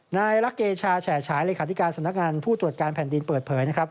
นายรักเกชาแฉฉายเลขาธิการสำนักงานผู้ตรวจการแผ่นดินเปิดเผยนะครับ